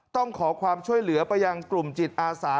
ต้องขอความช่วยเหลือไปยังกลุ่มจิตอาสา